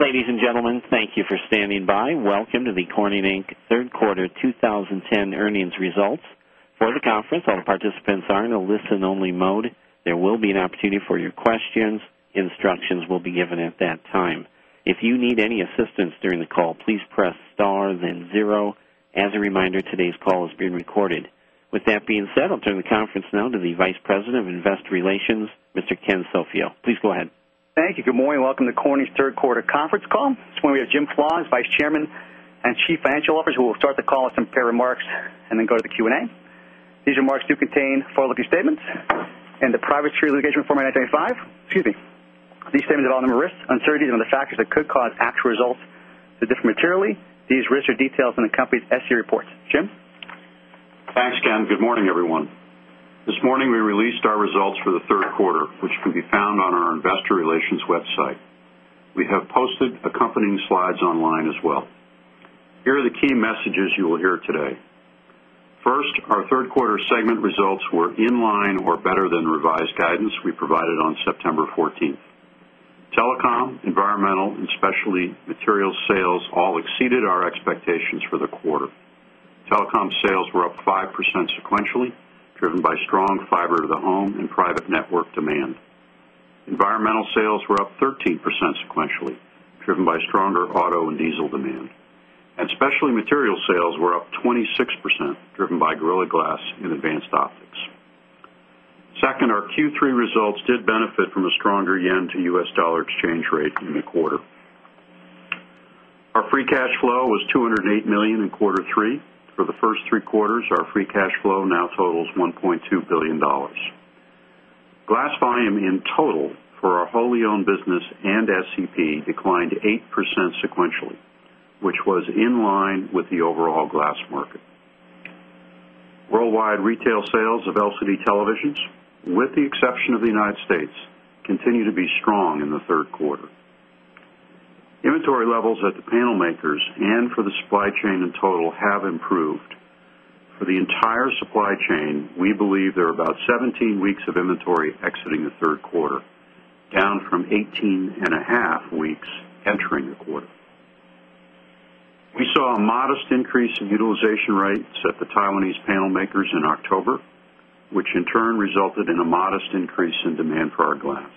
Ladies and gentlemen, thank you for standing by. Welcome to the Corning, Inc. Third Quarter 20 10 Earnings Results. As a reminder, today's call is being recorded. With that being said, I'll turn the conference now to the Vice President of Investor Relations, Mr. Ken Solfio. Please go ahead. Thank you. Good morning. Welcome to Korny's Q3 conference call. This morning, we have Jim Flons, Vice Chairman and Chief Financial Officer, who will start the call with some prepared remarks and then go to the Q and A. These remarks do contain forward looking statements and the Private Securities Litigation Reform Act 2019 5. These statements involve a number of risks, uncertainties and other factors that could cause actual results to differ materially. These risks are detailed in the company's SEC reports. Jim? Thanks, Ken. Good morning, everyone. This morning, we released our results for the Q3, which can be found on our Investor Relations website. We have posted accompanying slides online as well. Here are the key messages you will hear today. 1st, our 3rd quarter segment results were in line or better than revised guidance we provided on September 14. Telecom, environmental and specialty materials sales all exceeded our expectations for the quarter. Telecom sales were up 5% sequentially, driven by strong fiber to the home and private network demand. Environmental sales were up 13% sequentially, driven by stronger auto and diesel demand. And specialty materials sales were up 26 percent driven by Gorilla Glass and Advanced Optics. 2nd, our Q3 results did benefit from a stronger yen to U. S. Dollar exchange rate in the quarter. Our free cash flow was $208,000,000 in quarter 3. For the 1st 3 quarters, our free cash flow now totals $1,200,000,000 Glass volume in total for our wholly owned business and SCP declined 8% sequentially, which was in line with the overall glass market. Worldwide retail sales of LCD televisions, with the exception of the United States, continue to be strong in the Q3. Inventory levels at the panel makers and for the supply chain in total have improved. For the entire supply chain, we believe there are about 17 weeks of inventory exiting the 3rd quarter, down from 18.5 weeks entering the quarter. We saw a modest increase in utilization rates at the Taiwanese panel makers in October, which in turn resulted in a modest increase in demand for our glass.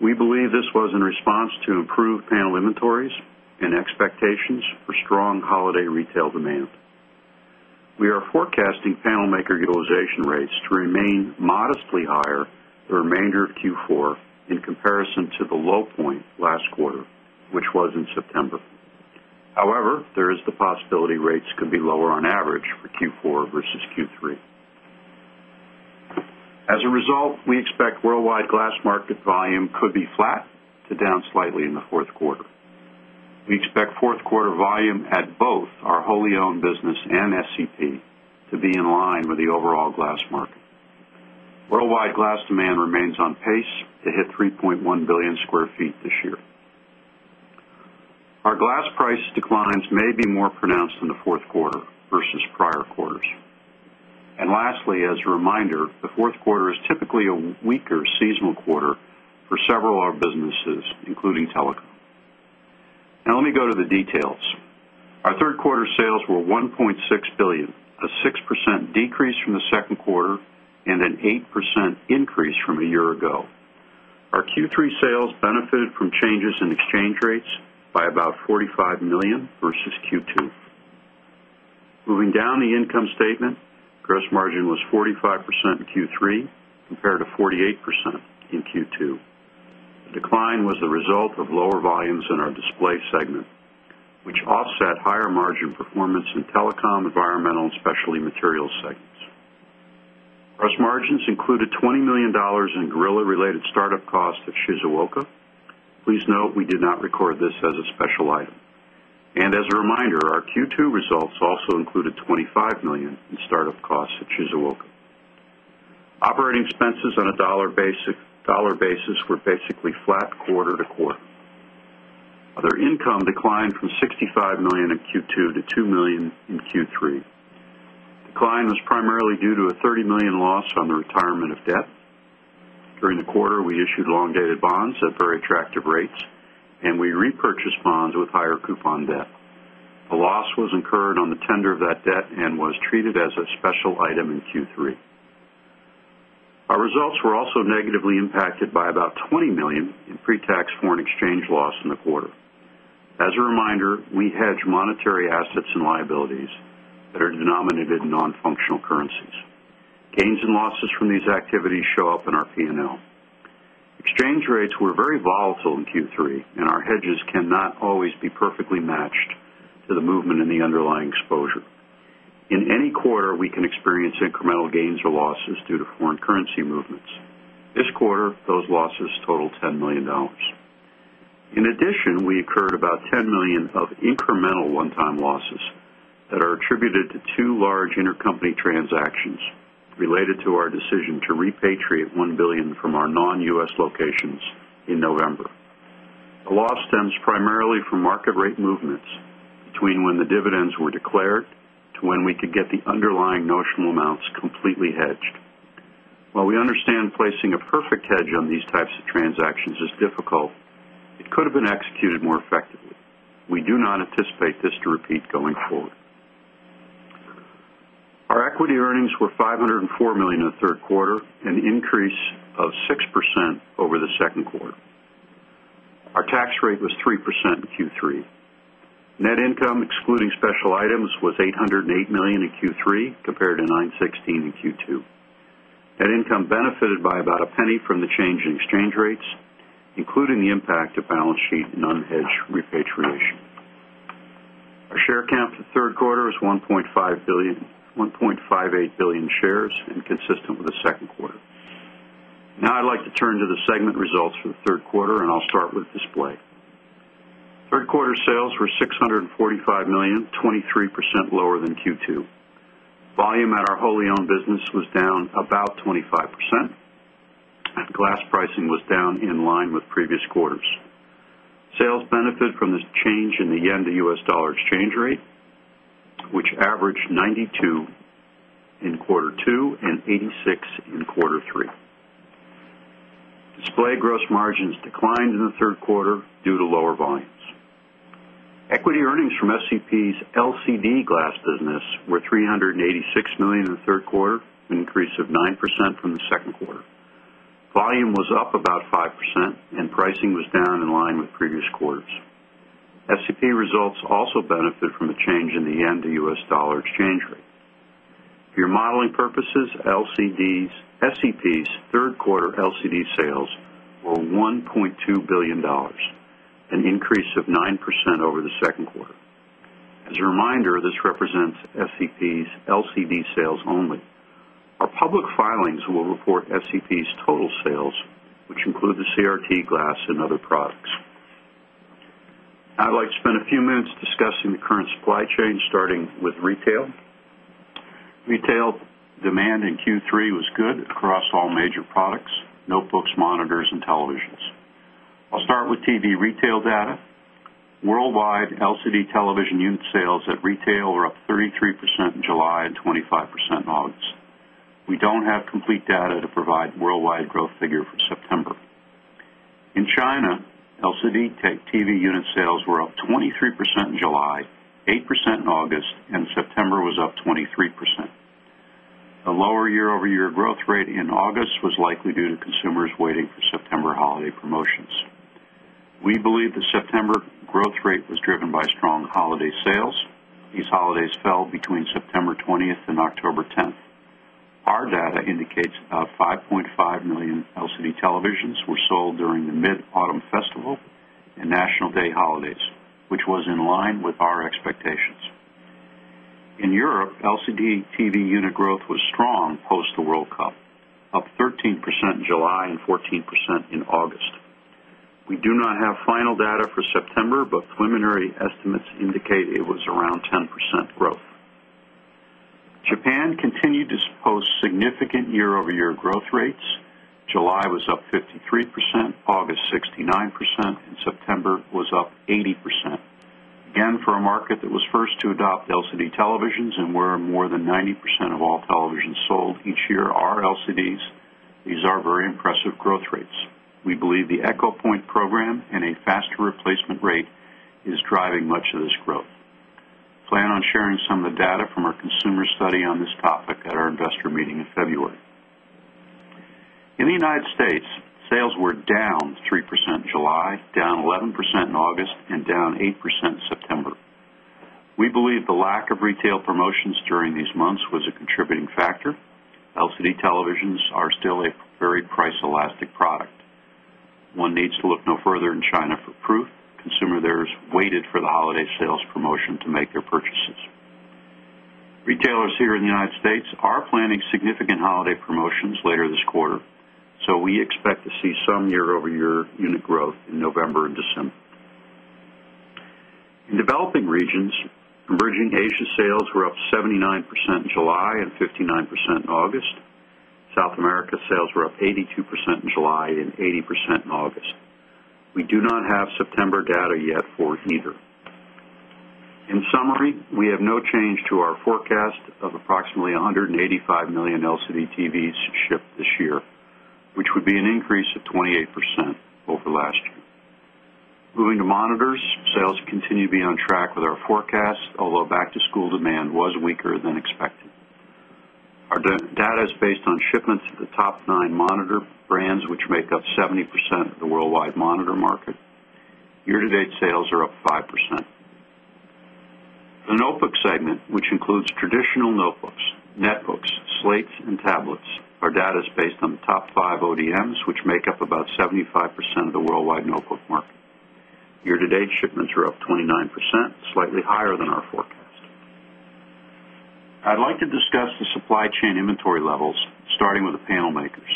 We believe this was in response to improved panel inventories and expectations for strong holiday retail demand. We are forecasting panel maker utilization rates to remain modestly higher the remainder of Q4 in comparison to the low point last quarter, which was in September. However, there is the possibility rates could be lower on average for Q4 versus Q3. As a result, we expect worldwide glass market volume could be flat to down slightly in the 4th quarter. We expect 4th quarter volume at both our wholly owned business and SCP to be in line with the overall glass market. Worldwide glass demand remains on pace to hit 3,100,000,000 square feet this year. Our glass price declines may be more pronounced in the 4th quarter versus prior quarters. And lastly, as a reminder, the Q4 is typically a weaker seasonal quarter for several of our businesses, including Telecom. Now let me go to the details. Our 3rd quarter sales were $1,600,000,000 a 6% decrease from the 2nd quarter and an 8% increase from a year ago. Our Q3 sales benefited from changes in exchange rates by about $45,000,000 versus Q2. Moving down the income statement, gross margin was 45% in Q3 compared to 48% in Q2. The decline was the result of lower volumes in our Display segment, which offset higher margin performance in Telecom, Environmental and Specialty Materials segments. Gross margins included $20,000,000 in gorilla related startup costs at Shizuoka. Please note, we did not record this as a special item. And as a reminder, our Q2 results also included $25,000,000 in start up costs at Chisholmoca. Operating expenses on a dollar basis were basically flat quarter to quarter. Other income declined from $65,000,000 in Q2 to $2,000,000 in Q3. Decline was primarily due to a $30,000,000 loss on the retirement of debt. During the quarter, we issued long dated bonds at very attractive rates and we repurchased bonds with higher coupon debt. A loss was incurred on the tender of that debt and was treated as a special item in Q3. Our results were also negatively impacted by about $20,000,000 in pre tax foreign exchange loss in the quarter. As a reminder, we hedge monetary assets and liabilities that are denominated in non functional currencies. Gains and losses from these activities show up in our P and L. Exchange rates were very volatile in Q3 and our hedges cannot always be perfectly matched to the movement in the underlying exposure. In any quarter, we can experience incremental gains or losses due to foreign currency movements. This quarter, those losses totaled $10,000,000 In addition, we incurred about $10,000,000 of incremental one time losses that are attributed to 2 large intercompany transactions related to our decision to repatriate $1,000,000,000 from our non U. S. Locations in November. The loss stems primarily from market rate movements between when the dividends were declared to when we could get the underlying notional amounts completely hedged. While we understand placing a perfect hedge on these types of transactions is difficult, it could have been executed more effectively. We do not anticipate this to repeat going forward. Our equity earnings were $504,000,000 in the 3rd quarter, an increase of 6% over the 2nd quarter. Our tax rate was 3% in Q3. Net income excluding special items was $808,000,000 in Q3 compared to $916,000,000 in Q2. Net income benefited by about $0.01 from the change in exchange rates, including the impact of balance sheet and unhedged repatriation. Our share count for the 3rd quarter was 1,580,000,000 shares and consistent with the 2nd quarter. Now I'd like to turn to the segment results for the Q3 and I'll start with display. 3rd quarter sales were $645,000,000 23 percent lower than Q2. Volume at our wholly owned business was down about 25%. Glass pricing was down in line with previous quarters. Sales benefit from this change in the yen to U. S. Dollar exchange rate, which averaged 92 in quarter 2 and 86 in quarter 3. Display gross margins declined in the 3rd quarter due to lower volumes. Equity earnings from SCP's LCD Glass business were $386,000,000 in the 3rd quarter, an increase of 9% from the 2nd quarter. Volume was up about 5% and pricing was down in line with previous quarters. SEP results also benefit from a change in the yen to U. S. Dollar exchange rate. For your modeling purposes, LCDs SEP's 3rd quarter LCD sales were $1,200,000,000 an increase of 9% over the 2nd quarter. As a reminder, this represents SCP's LCD sales only. Our public filings will report SCP's total sales, which include the CRT glass and other products. I'd like to spend a few minutes discussing the current supply chain starting with retail. Retail demand in Q3 was good across all major products, notebooks, monitors and televisions. I'll start with TV retail data. Worldwide LCD television unit sales at retail were up 33% in July and 25% in August. We don't have complete data to provide worldwide growth figure for September. In China, LCD Tech TV unit sales were up 23% in July, 8% in August and September was up 23%. A lower year over year growth rate in August was likely due to consumers waiting for September holiday promotions. We believe the September growth rate was driven by strong holiday sales. These holidays fell between September 20 October 10. Our data indicates about 5,500,000 LCD televisions were sold during the mid autumn festival and National Day holidays, which was in line with our expectations. In Europe, LCD TV unit growth was strong post the World Cup, up 13% in July and 14% in August. We do not have final data for September, but preliminary estimates indicate it was around 10% growth. Japan continued to post significant year over year growth rates. July was up 53%, August 69% and September was up 80%. Again, for a market that was first to adopt LCD televisions and where more than 90% of all televisions sold each year are LCDs, These are very impressive growth rates. We believe the Echo Point program and a faster replacement rate is driving much of this growth. Plan on sharing some of the data from our consumer study on this topic at our investor meeting in February. In the United States, sales were down 3% July, down 11% in August and down 8% September. We believe the lack of retail promotions during these months was a contributing factor. LCD televisions are still a very price elastic product. One needs to look no further in China for proof, consumer there has waited for the holiday sales promotion to make their purchases. Retailers here in the United States are planning significant holiday promotions later this quarter, so we expect to see some year over year unit growth in November and December. In developing regions, converging Asia sales were up 79% in July 59% in August. South America sales were up 82% in July 80% in August. We do not have September data yet for either. In summary, we have no change to our forecast of approximately 185,000,000 LCD TVs shipped this year, which would be an increase of 28% over last year. Moving to monitors, sales continue to be on track with our forecast, although back to school demand was weaker than expected. Our data is based on shipments to the top 9 monitor brands, which make up 70% of the worldwide monitor market. Year to date sales are up 5%. The Notebook segment, which includes traditional notebooks, netbooks, slates and tablets, our data is based on the top 5 ODMs, which make up about 70 5% of the worldwide notebook market. Year to date shipments were up 29%, slightly higher than our forecast. I'd like to discuss the supply chain inventory levels starting with the panel makers.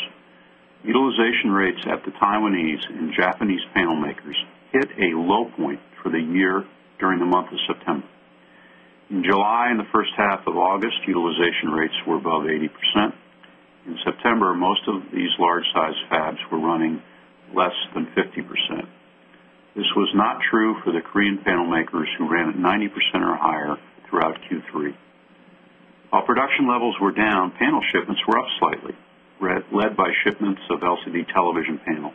Utilization rates at the Taiwanese and Japanese panel makers hit a low point for the year during the month of September. In July and the first half of August, utilization rates were above 80%. In September, most of these large size fabs were running less than 50%. This was not true for the Korean panel makers who ran at 90% or higher throughout Q3. While production levels were down, panel shipments were up slightly, led by shipments of LCD television panels.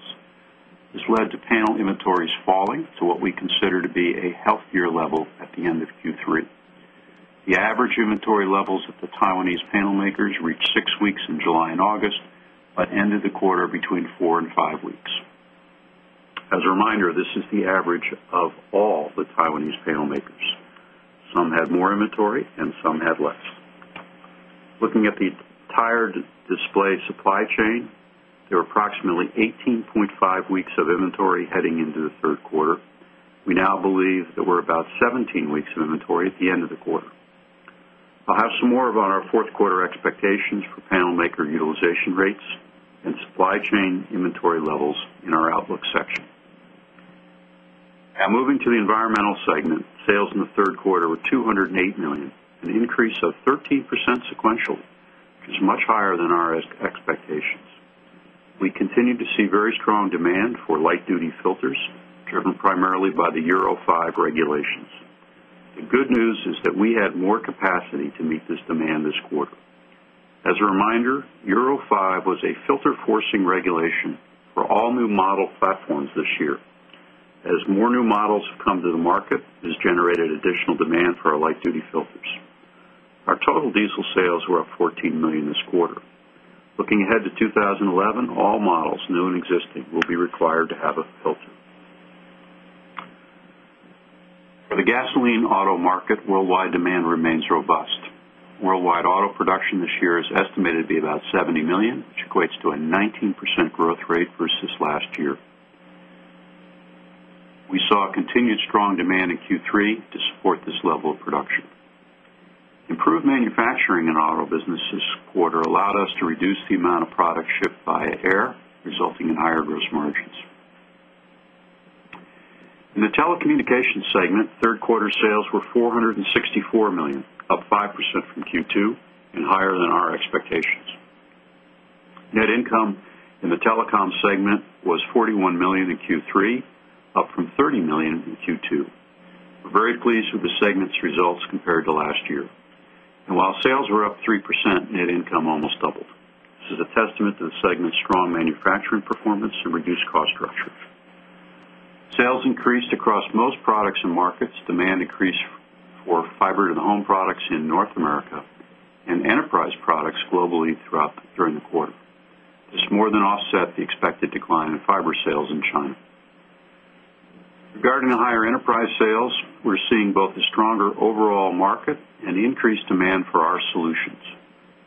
This led to panel inventories falling to what we consider to be a healthier level at the end of Q3. The average inventory levels at the Taiwanese panel makers reached 6 weeks in July August, but ended the quarter between 4 5 weeks. As a reminder, this is the average of all the Taiwanese panel makers. Some had more inventory and some had less. Looking at the tire display supply chain, there were approximately 18.5 weeks of inventory heading into the 3rd quarter. We now believe that we're about 17 weeks of inventory at the end of the quarter. I'll have some more about our 4th quarter expectations for panel maker utilization rates and supply chain inventory levels in our outlook section. Now moving to the Environmental segment. Sales in the Q3 were 208,000,000 dollars an increase of 13% sequentially, which is much higher than our expectations. We continue to see very strong demand for light duty filters, driven primarily by the Euro 5 regulations. The good news is that we had more capacity to meet this demand this quarter. As a reminder, Euro 5 was a filter forcing regulation for all new model platforms this year. As more new models come to the market, this generated additional demand for our light duty filters. Our total diesel sales were up $14,000,000 this quarter. Looking ahead to 2011, all models, new and existing, will be required to have a filter. For the gasoline auto market, worldwide demand remains robust. Worldwide auto production this year is estimated to be about 70,000,000 dollars which equates to a 19% growth rate versus last year. We saw continued strong demand in Q3 to support this level of production. Improved manufacturing and auto business this quarter allowed us to reduce the amount of products shipped via air resulting in higher gross margins. In the telecommunications segment, 3rd quarter sales were $464,000,000 up 5% from Q2 and higher than our expectations. Net income in the telecom segment was $41,000,000 in Q3, up from $30,000,000 in Q2. We're very pleased with the segment's results compared to last year. And while sales were up 3%, net income almost doubled. This is a testament to the segment's strong manufacturing performance and reduced cost structure. Sales increased across most products and markets. Demand increased for fiber to the home products in North America and enterprise products globally throughout during the quarter. This more than offset the expected decline in fiber sales in China. Regarding the higher enterprise sales, we're seeing both a stronger overall market and increased demand for our solutions.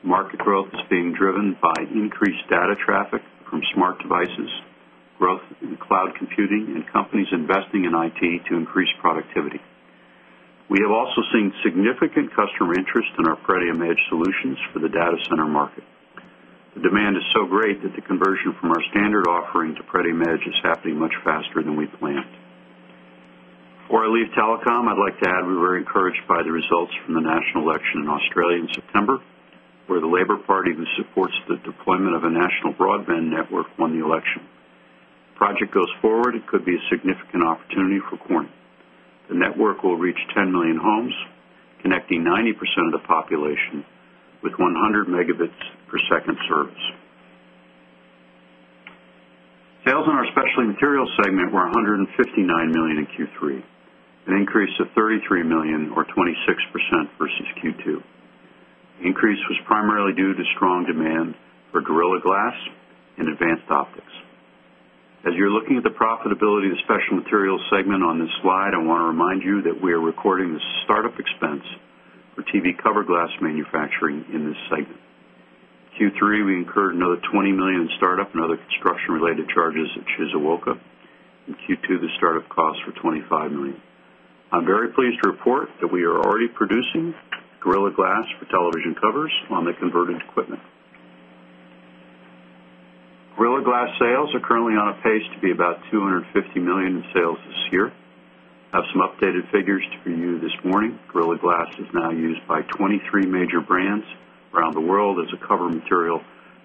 Market growth is being driven by increased data traffic from smart devices, growth in cloud computing and companies investing in IT to increase productivity. We have also seen significant customer interest in our Pareteum Edge solutions for the data center market. The demand is so great that the conversion from our standard offering to PretiumEdge is happening much faster than we planned. Before I leave Telecom, I'd like to add we were encouraged by the results from the national election in Australia in September, where the Labor Party who supports the deployment of a national broadband network won the election. Project goes forward, it could be a significant opportunity for Corning. The network will reach 10,000,000 homes, connecting 90% of the population with 100 megabits per second service. Sales on our Specialty Materials segment were $159,000,000 in Q3, an increase of $33,000,000 or 26 percent versus Q2. The increase was primarily due to strong demand for Gorilla Glass and Advanced Optics. As you're looking at the profitability of the Special Materials segment on this slide, I want to remind you that we are recording the start up expense for TV cover glass manufacturing in this segment. Q3, we incurred another $20,000,000 in startup and other construction related charges at Chizuoka. In Q2, the startup costs were $25,000,000 I'm very pleased to report that we are already producing Gorilla Glass for television covers on the converted equipment. Gorilla Glass sales are currently on a pace to be about $250,000,000 in sales this year. I have some updated figures for you this morning. Gorilla Glass is now used by 23 major brands around the world as a cover material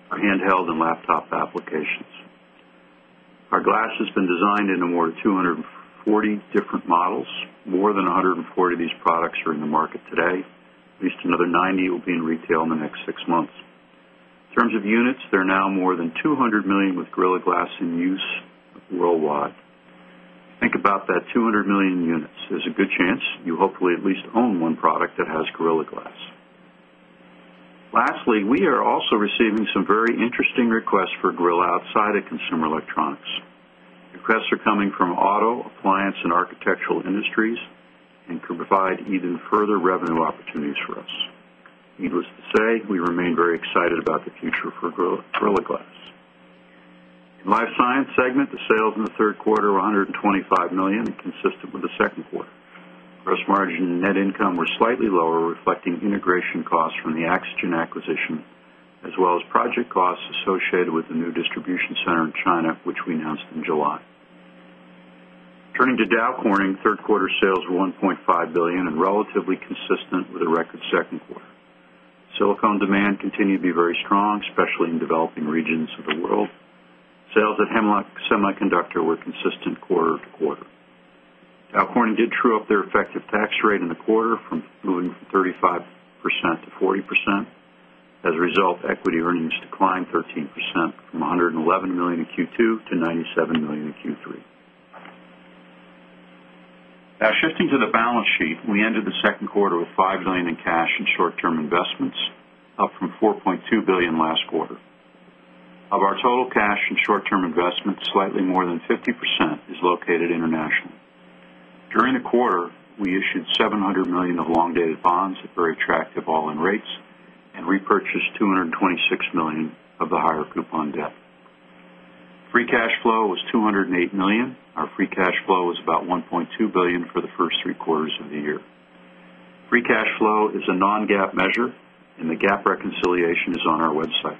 for handheld and laptop applications. Our glass has been designed into more than 240 different models. More than 140 of these products are in the market today. At least another 90 will be in retail in the next 6 months. In terms of units, there are now more than 2 100,000,000 with Gorilla Glass in use worldwide. Think about that 200,000,000 units. There's a good chance you hopefully at least own one product that has Gorilla Glass. Lastly, we are also receiving some very interesting requests for electronics. The requests are coming from auto, appliance and architectural industries and can provide even further revenue opportunities for us. Needless to say, we remain very excited about the future for Gorilla Glass. In Life Science segment, the sales in the 3rd quarter were $125,000,000 with the Q2. Gross margin and net income were slightly lower reflecting integration costs from the AxoGen acquisition as well as project costs associated with the new distribution center in China, which we announced in July. Turning to Dow Corning. 3rd quarter sales were 1 point $5,000,000,000 and relatively consistent with a record second quarter. Silicone demand continued to be very strong, especially in developing regions of the world. Sales at Hemlock Semiconductor were consistent quarter to quarter. Alcorn did true up their effective tax rate in the quarter from moving from 35% to 40%. As a result, equity earnings declined 13% from $111,000,000 in Q2 to $97,000,000 in Q3. Now shifting to the balance sheet. We ended the 2nd quarter with $5,000,000 in cash and short term investments, up from $4,200,000,000 last quarter. Of our total cash and short term investments, slightly more than 50% is located international. During the quarter, we issued $700,000,000 of long dated bonds at very attractive all in rates and repurchased $226,000,000 of the higher coupon debt. Free cash flow was $208,000,000 Our free cash flow was about $1,200,000,000 for the 1st 3 quarters of the year. Free cash flow is a non GAAP measure and the GAAP reconciliation is on our website.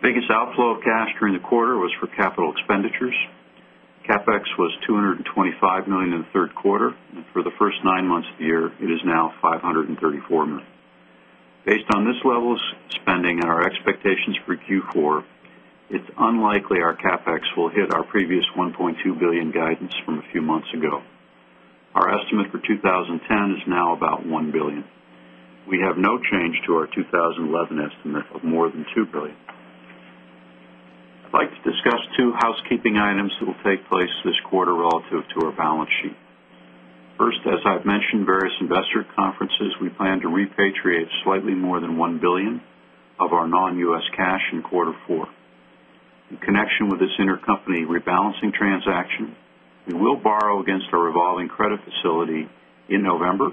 Biggest outflow of cash during the quarter was for capital expenditures. CapEx was $225,000,000 in the 3rd quarter. And for the 1st 9 months of the year, it is now $534,000,000 Based on this level of spending and our expectations for Q4, it's unlikely our CapEx will hit our previous $1,200,000,000 guidance from a few months ago. Our estimate for 20.10 is now about 1,000,000,000 dollars We have no change to our 2011 estimate of more than $2,000,000,000 I'd like to discuss 2 housekeeping items that will take place this quarter relative to our balance sheet. First, as I've mentioned, various investor conferences, we plan to repatriate slightly more than 1,000,000,000 dollars of our non U. S. Cash in quarter 4. In connection with this intercompany rebalancing transaction, we will borrow against our revolving credit facility in November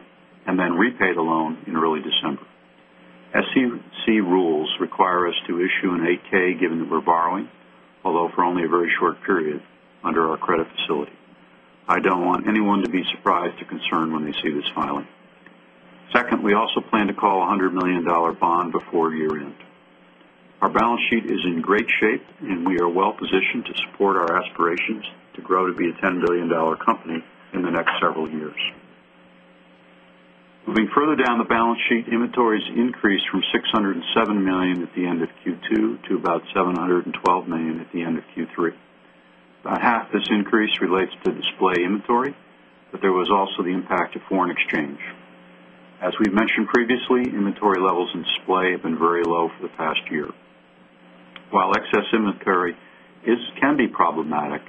and then repay the loan in early December. SEC rules require us to issue an 8 ks given that we're borrowing, although for only a very short period under our credit facility. I don't want anyone to be surprised or concerned when they see this filing. 2nd, we also plan to call $100,000,000 bond before year end. Our balance sheet is in great shape and we are well positioned to support our aspirations to grow to be a $10,000,000,000 company in the next several years. Moving further down the balance sheet, inventories increased from 60 $7,000,000 at the end of Q2 to about $712,000,000 at the end of Q3. About half this increase relates to display inventory, but there was also the impact of foreign exchange. As we've mentioned previously, inventory levels in display have been very low for the past year. While excess inventory is can be problematic,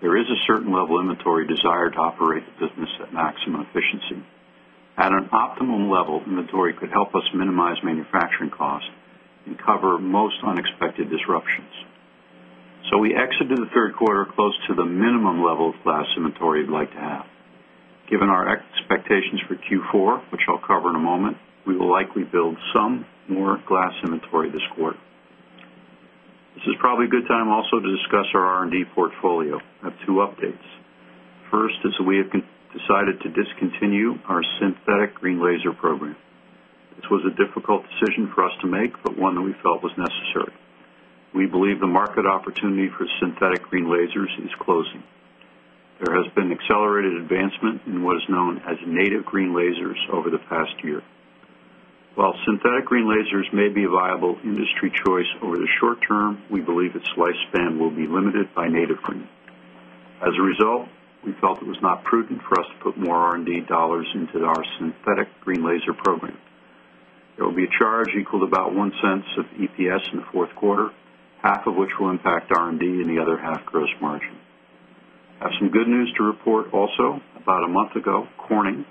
there is a certain level of inventory desired to operate the business at maximum efficiency. At an optimum level, inventory could help us minimize manufacturing costs and cover most unexpected disruptions. So we exited the Q3 close to the minimum level of glass inventory we'd like to have. Given our expectations for Q4, which I'll cover in a moment, we will likely build some more glass inventory this quarter. This is probably a good time also to discuss our R and D portfolio. I have 2 updates. First is we have decided to discontinue our synthetic green laser program. This was a difficult decision for us to make, but one that we felt was necessary. We believe the market opportunity for synthetic green lasers is closing. There has been accelerated advancement in what is known as native green lasers over the past year. While synthetic green lasers may be a viable industry choice over the short term, we believe slice span will be limited by native green. As a result, we felt it was not prudent for us to put more R and D dollars into our synthetic green laser program. There will be a charge equal to about $0.01 of EPS in the 4th quarter, half of which will impact R and D and the other half gross margin. I have some good news to report also. About a month ago, Corning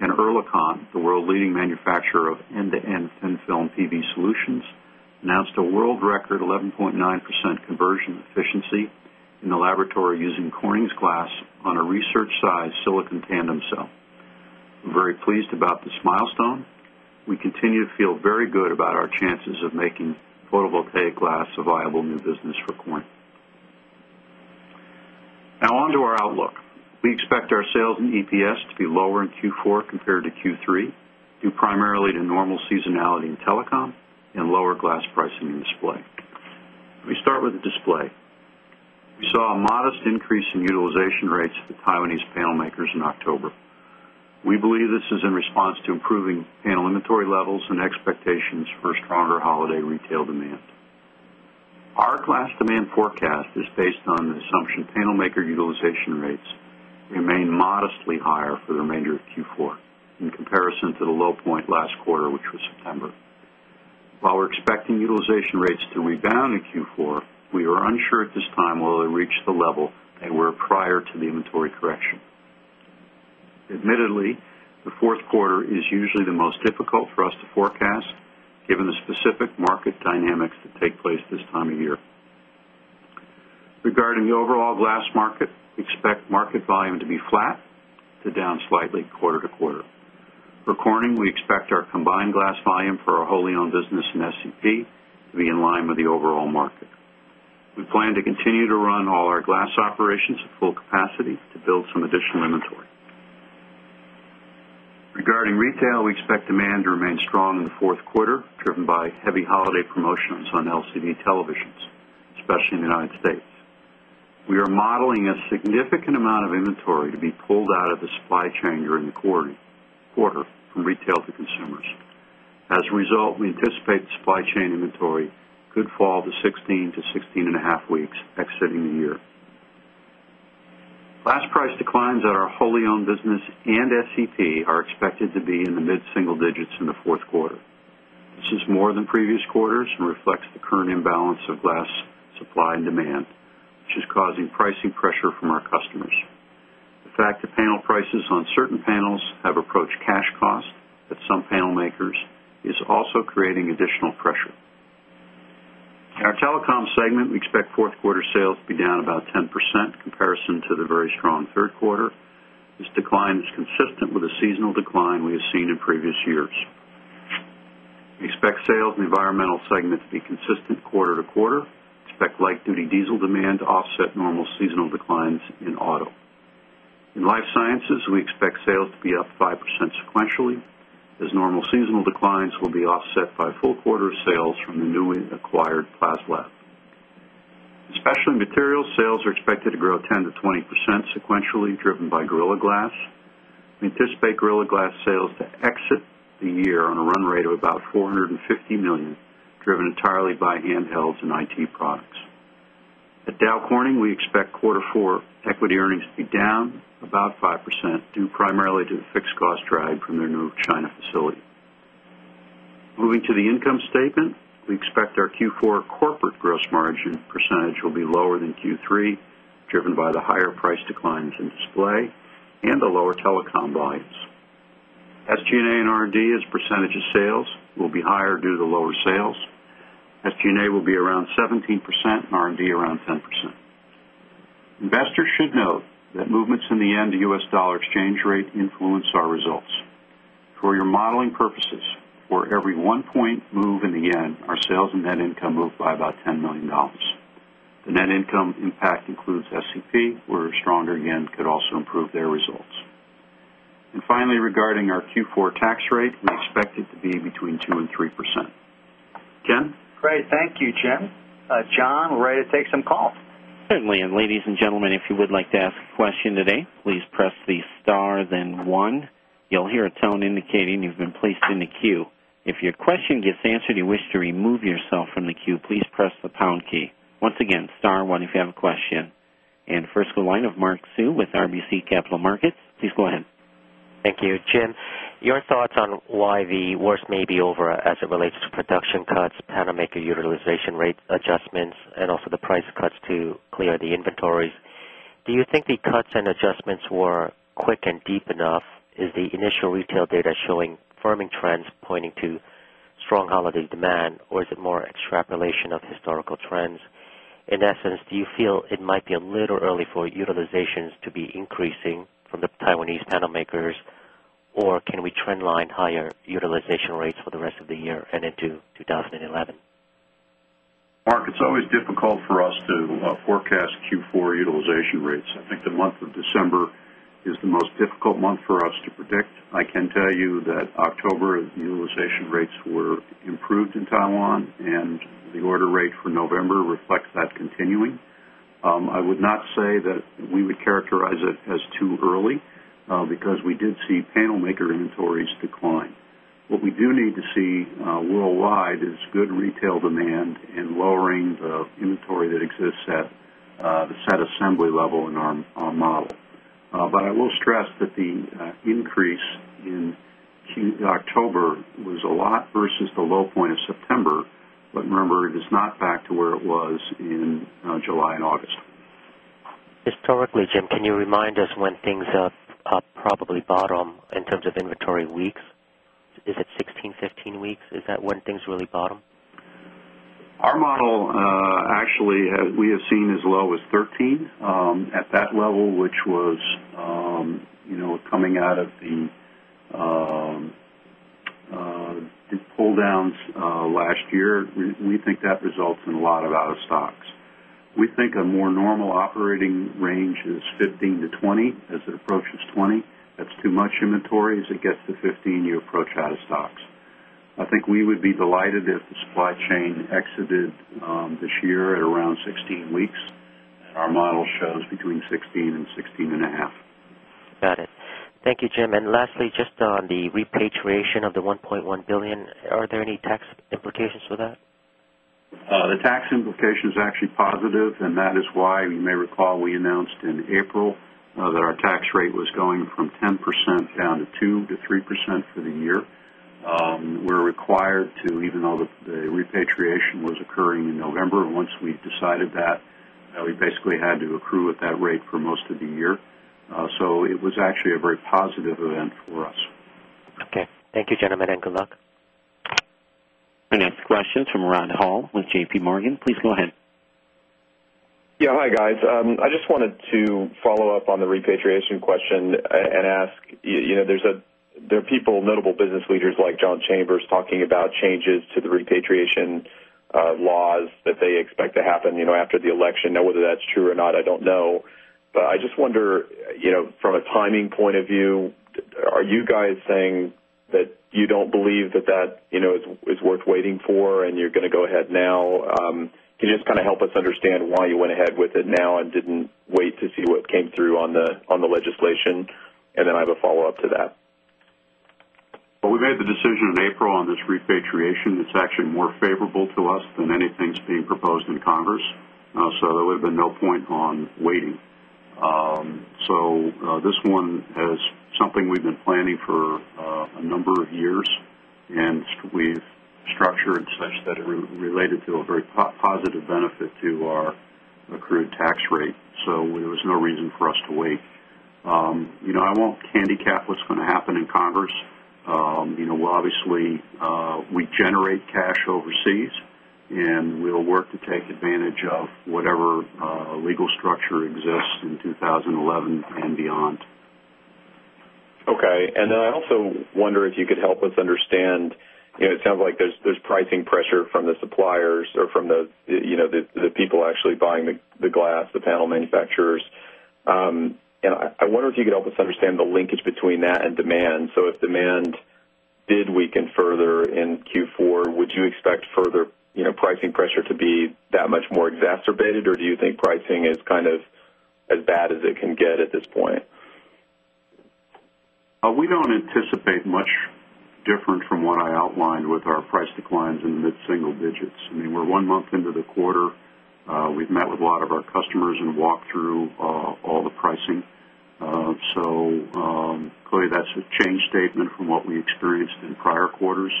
and Oerlikon, the world leading manufacturer of end to end film PV solutions, announced a world record 11.9 percent conversion efficiency in the laboratory using Corning's glass on a research size silicon tandem cell. I'm very pleased about this milestone. We continue to feel very good about our chances of making photovoltaic glass a viable new business for Corning. Now onto our outlook. We expect our sales and EPS to be lower in Q4 compared to Q3 due primarily to normal seasonality in telecom and lower glass pricing in display. Let me start with the display. We saw a modest increase in utilization rates at the Taiwanese panel makers in October. We believe this is in response to improving panel inventory levels and expectations for stronger holiday retail demand. Our class demand forecast is based on the assumption panel maker utilization rates remain modestly higher for the remainder of Q4 in comparison to the low point last quarter, which was September. While we're expecting utilization rates to rebound in Q4, we are unsure at this time whether they reach the level they were prior to the inventory correction. Admittedly, the 4th quarter is usually the most difficult for us to forecast given the specific market dynamics that take place this time of year. Regarding the overall glass market, we expect market volume to be flat to down slightly quarter to quarter. For Corning, we expect our combined glass volume for our wholly owned business in SEP to be in line with the overall market. We plan to continue to run all our glass operations at full capacity to build some additional inventory. Regarding retail, we expect demand to remain strong in the 4th quarter, driven by heavy holiday promotions on LCD televisions, especially in the United States. We are modeling a significant amount of inventory to be pulled out of the supply chain during the quarter from retail to consumers. As a result, we anticipate supply chain inventory could fall to 16 to 16.5 weeks exiting the year. Glass price declines at our wholly owned business and SEP are expected to be in the mid single digits in the 4th quarter. This is more than previous quarters and reflects the current imbalance of glass supply and demand, which is causing pricing pressure from our customers. The fact that panel prices on certain panels have approached cash cost at some panel makers is also creating additional pressure. In our Telecom segment, we expect 4th quarter sales to be down about 10% in comparison to the very strong 3rd quarter. This decline is consistent with the seasonal decline we have seen in previous years. We expect sales in the environmental segment to be consistent quarter to quarter, expect light duty diesel demand to offset normal seasonal declines in auto. In Life Sciences, we expect sales to be up 5% sequentially as normal seasonal declines will be offset by full quarter sales from the newly acquired Plaslab. In Specialty Materials sales are expected to grow 10% to 20 percent sequentially driven by Gorilla Glass. We anticipate Gorilla Glass sales to exit the year on a run rate of about $450,000,000 driven entirely by handhelds and IT products. At Dow Corning, we expect quarter 4 equity earnings to be down about 5% due primarily to the fixed cost drag from their new China facility. Moving to the income statement. We expect our Q4 corporate gross margin percentage will be lower than Q3, driven by the higher price declines in display and the lower telecom volumes. SG and A and R and D as a percentage of sales will be higher due to lower sales. SG and A will be around 17% and R and D around 10%. Investors should note that movements in the end to U. S. Dollar exchange rate influence our results. For your modeling purposes, for every one point move in the yen, our sales and net income moved by about $10,000,000 The net income impact includes SEP where Stronger Yen could also improve their results. And finally, regarding our Q4 tax rate, we expect it to be between 2% and 3%. Ken? Great. Thank you, Jim. John, we're ready to take some calls. Certainly. And first, go to the line of Mark Hsu with RBC Capital Markets. Please go ahead. Thank you. Jin, your thoughts on why the worst maybe over as it relates to production cuts, Panamaker utilization rate adjustments and also the price cuts to clear the inventories. Do you think the cuts and adjustments were quick and deep enough? Is the initial retail data showing firming trends pointing to strong holiday demand? Or is it more extrapolation of historical trends? In essence, do you feel it might be a little early for utilizations to be increasing from the Taiwanese panel makers? Or can we trend line higher utilization rates for the rest of the year and into 2011? Mark, it's always difficult for us to forecast Q4 utilization rates. I think the month of December is the most difficult month for us to predict. I can tell you that October utilization rates were improved in Taiwan and the order rate for November reflects that continuing. I would not say that we would characterize it as too early, because we did see panel maker inventories decline. What we do need to see worldwide is good retail demand and lowering the inventory that exists at the set assembly level in our model. But I will stress that the increase in October was a lot versus the low point of September. But remember, it is not back to where it was in July August. Historically, Jim, can you remind us when things have probably bottomed in terms of inventory weeks? Is it 16, 15 weeks? Is that when things really bottom? Our model actually we have seen as low as 13 at that level, which was coming out of the pull downs last year. We think that results in a lot of out of stocks. We think a more normal operating range is 15 to 20 as it approaches 20. That's too much inventory as it gets to 15 year approach out of stocks. I think we would be delighted if the supply chain exited this year at around 16 weeks. Our model shows between 16% 16.5%. Percent. Got it. Thank you, Jim. And lastly, just on the repatriation of the $1,100,000,000 are there any tax implications for that? The tax implication is actually positive and that is why you may recall we announced in April that our tax rate was going from 10% down to 2% 3% for the year. We're required to even though the repatriation was occurring in November, once we've decided that, we basically had to accrue at that rate for most of the year. So it was actually a very positive event for us. Okay. Thank you, gentlemen, and good luck. The next question is from Ron Hall with JPMorgan. Please go ahead. Yes. Hi, guys. I just wanted to follow-up on the repatriation question and ask there's a there are people notable business leaders like John Chambers talking about changes to the repatriation laws that they expect to happen after the election. Now whether that's true or not, I don't know. But I just wonder from a timing point of view, are you guys saying that you don't believe that that is worth waiting for and you're going to go ahead now? Can you just kind of help us understand why you went ahead with it now and didn't wait to see what came through on the legislation? And then I have a follow-up to that. Well, we made the decision in April on this repatriation. It's actually more favorable to us than anything that's being proposed in Congress. So there would have been no point on waiting. So this one is something we've been planning for a number of years and we've structured such that it related to a very positive benefit to our accrued tax rate. So there was no reason for us to wait. I won't handicap what's going to happen in Congress. We'll obviously we generate cash overseas and we'll work to take advantage of whatever legal structure exists in 2011 beyond. Okay. And then I also wonder if you could help us understand, it sounds like there's pricing pressure from the suppliers or from the people actually buying the glass, the panel manufacturers. I wonder if you could help us understand the linkage between that and demand. So if demand did weaken further in Q4, would you expect further pricing pressure to be that much more exacerbated? Or do you think pricing is kind of as bad as it can get at this point? We don't anticipate much different from what I outlined with our price declines in the mid single digits. I mean, we're 1 month into the quarter. We've met with a lot of our customers and walked through all the pricing. So clearly, that's a changed statement from what we experienced in prior quarters.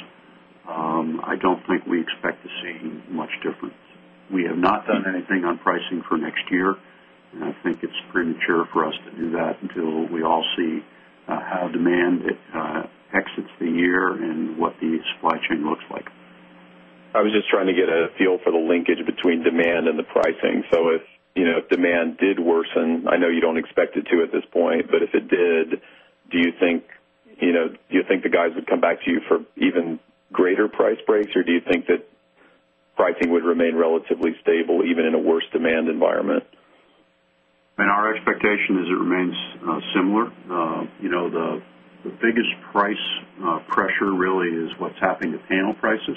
I don't think we expect to see much difference. We have not done anything on pricing for next year. And I think it's premature for us to do that until we all see how demand exits the year and what the supply chain looks like. I was just trying to get a feel for the linkage between demand and the pricing. So if demand did worsen, I know you don't expect it to at this point, but if it do you think the guys would come back to you for even greater price breaks? Or do you think that pricing would remain relatively stable even in a worse demand environment? I mean our expectation is it remains similar. The biggest price pressure really is what's happening to panel prices,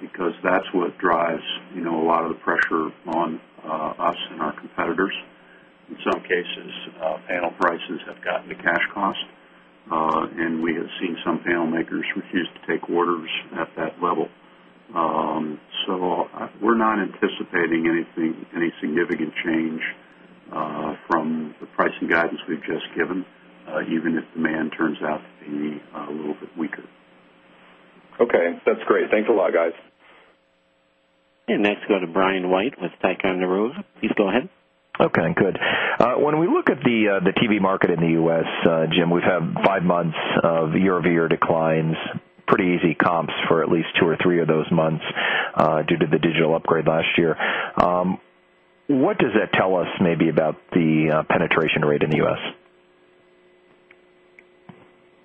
because that's what drives a lot of the pressure on us and our competitors. In some cases, panel prices have gotten to cash cost and we have seen some panel makers refuse to take orders at that level. So we're not anticipating anything any significant change from the pricing guidance we've just given even if demand turns out to be a little bit weaker. Okay. That's great. Thanks a lot guys. And next we go to Brian White with Tycho and Narosa. Please go ahead. Okay. Good. When we look at the TV market in the U. S, Jim, we've had 5 months of year over year declines, pretty easy comps for at least 2 or 3 of those months due to the digital upgrade last year. What does that tell us maybe about the penetration rate in the U. S?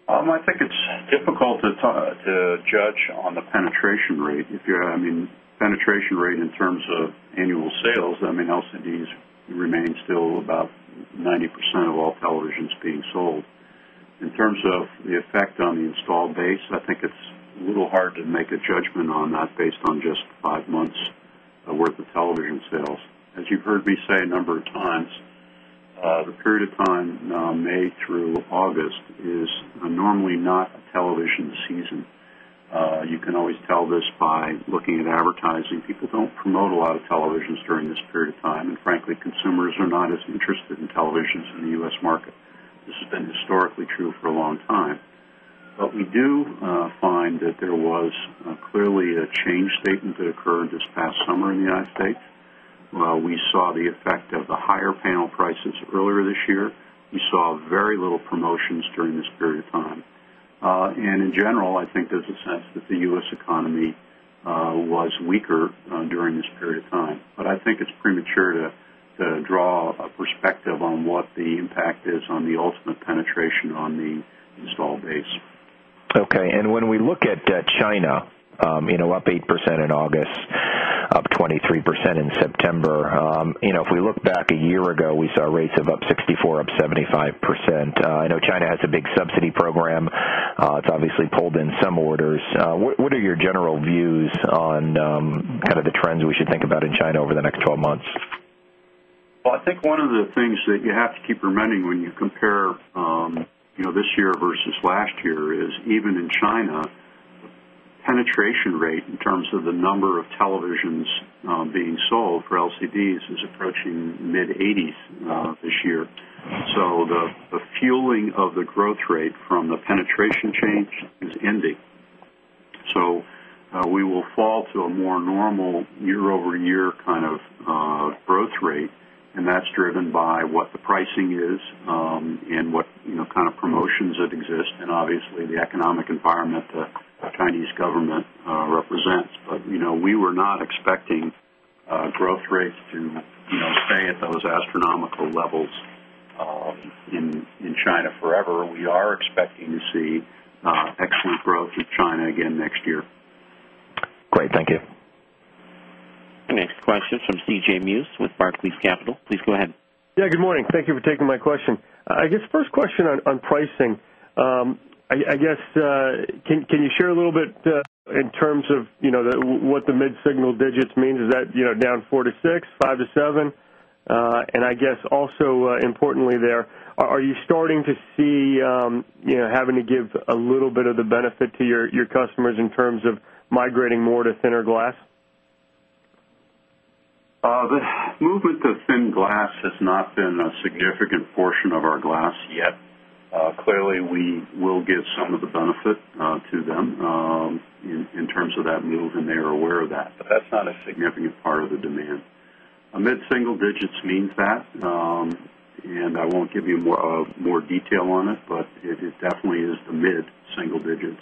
I think it's difficult to judge on the penetration rate. If you're I mean penetration rate in terms of annual sales. I mean LCDs remain still about 90% of all televisions being sold. In terms of the effect on the installed base, I think it's a little hard to make a judgment on that based on just 5 months worth of television sales. As you've heard me say a number of times, the period of time May through August is normally not television season. You can always tell this by looking at advertising. People don't promote a lot of televisions during this period of time. And frankly, consumers are not as interested in televisions in the U. S. Market. This has been historically true for a long time. But we do find that there was clearly a change statement that occurred this past summer in the United States. We saw the effect of the higher panel prices earlier this year. We saw very little promotions during this period of time. And in general, I think there's a sense that the U. S. Economy was weaker during this period of time. But I think it's premature to draw a perspective on what the impact is on the ultimate penetration on the installed base. Okay. And when we look at China, up 8% in August, up 23% in September. If we look back a year ago, we saw rates of up 64%, up 75%. I know China has a big subsidy program. It's obviously pulled in some orders. What are your general views on the trends we should think about in China over the next 12 months? Well, I think one of the things that you have to keep remitting when you compare this year versus last year is even in China, penetration rate in terms of the number of televisions being sold for LCDs is approaching mid-80s this year. So the fueling of the growth rate from the penetration change is ending. So we will fall to a more normal year over year kind of growth rate and that's driven by what the pricing is and what kind of promotions that exist and obviously the economic environment the Chinese government represents. But we were not expecting growth rates to stay at those astronomical levels in China forever. We are expecting to see excellent growth in China again next year. Great. Thank you. The next question is from C. J. Muse with Barclays Capital. Please go ahead. J. Muse:] Yes. Good morning. Thank you for taking my question. I guess first question on pricing. I guess can you share a little bit in terms of what the mid single digits means? Is that down 4% to 6%, 5% to 7%? And I guess also importantly there, are you starting to see having to give a little bit of the benefit to your customers in terms of migrating more to thinner glass? The movement to thin glass has not been a significant portion of our glass yet. Clearly, we will give some of the benefit to them in terms of that move and they're aware of that. But that's not a significant part of the demand. A mid single digits means that and I won't give you more detail on it, but it definitely is the mid single digits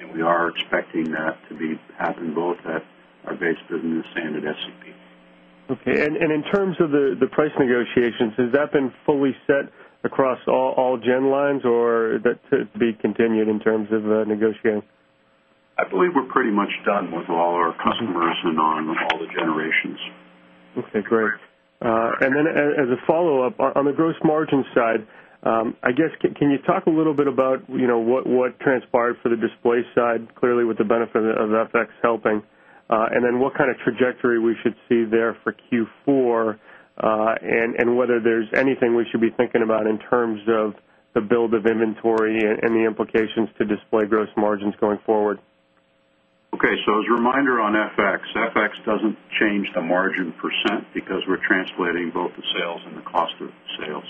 and we are expecting that to be happen both at our base business and at S and P. Okay. And in terms of the price negotiations, has that been fully set all gen lines? Or is that to be continued in terms of negotiating? I believe we're pretty much done with all our customers and on all the generations. Okay, great. And then as a follow-up, on the gross margin side, I guess can you talk a little bit about what transpired for the display side clearly with the benefit of FX helping? And then what kind of trajectory we should see there for Q4? And whether there's anything we should be thinking about in terms of the build of inventory and the implications to display gross margins going forward? Okay. So as a reminder on FX, FX doesn't change the margin percent because we're translating both the sales and the cost of sales.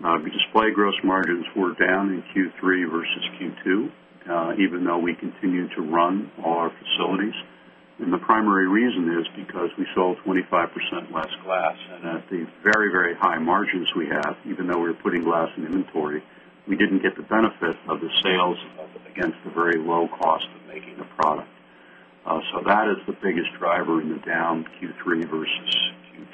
The display gross margins were down in Q3 versus Q2, even though we continue to run our facilities. And the primary reason is because we sold 25% less glass and at the very, very high margins we have, even though we're putting glass in inventory, we didn't get the benefit of the sales against the very low cost of making the product. So that is the biggest driver in the down Q3 versus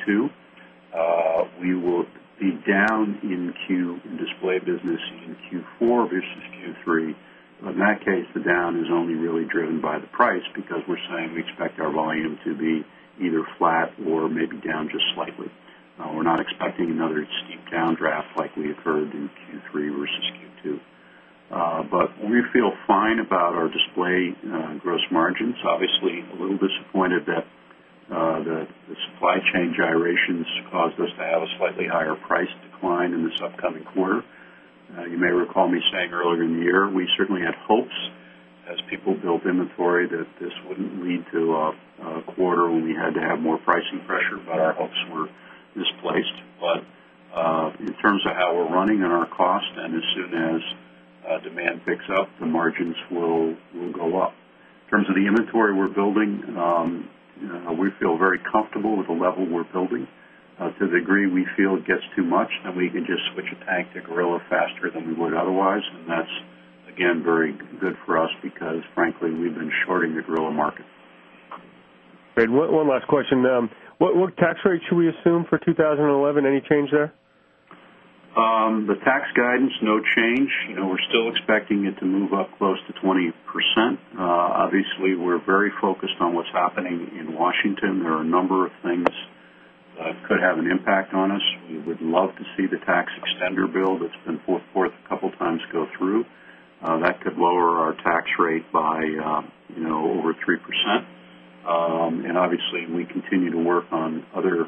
Q2. We will be down in Q in display business in Q4 versus Q3. In that case, the down is only really driven by the price because we're saying we expect our volume to be either flat or maybe down just slightly. We're not expecting another steep downdraft like we had heard in Q3 versus Q2. But we feel fine about our display gross margins. Obviously, a little disappointed that the supply chain gyrations caused us to have a slightly higher price decline in this upcoming quarter. You may recall me saying earlier in the year, we certainly had hopes as people built inventory that this wouldn't lead to a quarter when we had to have more pricing pressure, but our hopes were misplaced. But in terms of how we're running on our cost and as soon as demand picks up, the margins will go up. In terms of the inventory we're building, we feel very comfortable with the level we're building to the degree we feel it gets too much and we can just switch a tank to Gorilla faster than we would otherwise. And that's again very good for us because frankly we've been shorting the Gorilla market. Great. One last question. What tax rate should we assume for 2011? Any change there? The tax guidance, no change. We're still expecting it to move up close to 20 percent. Obviously, we're very focused on what's happening in Washington. There are a number of things that could have an impact on us. We would love to see the tax extender bill that's been fought for a couple of times go through. That could lower our tax rate by over 3 percent. And obviously, we continue to work on other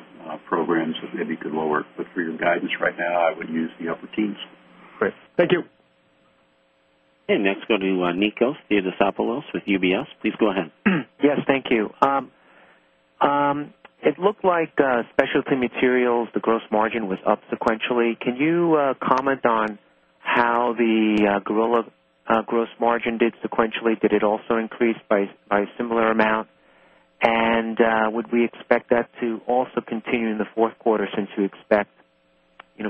programs that maybe could lower. But for your guidance right now, I would use the upper teens. Great. Thank you. And next go to Nikos Theodosopoulos with UBS. Please go ahead. Yes. Thank you. It looked like Specialty Materials, the gross margin was up sequentially. Can you comment on how the Gorilla gross margin did sequentially? Did it also increase by a similar amount? And would we expect that to also continue in the Q4 since you expect